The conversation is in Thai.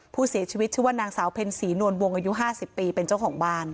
ผู้เสียชีวิตชื่อว่านางสาวเพ็ญศรีนวลวงอายุ๕๐ปีเป็นเจ้าของบ้าน